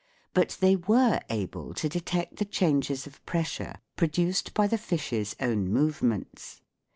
But they were able to de tect the changes of pressure pro duced by the fish's own move ments.